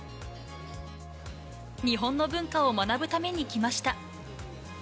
日本の文化を学ぶために来ま